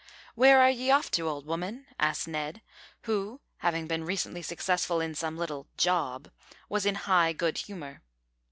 "Where are ye off to, old woman?" asked Ned, who, having been recently successful in some little "job," was in high good humour.